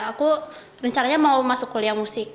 aku rencaranya mau masuk kuliah musik